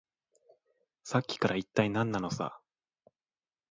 さっきから、いったい何なのさ。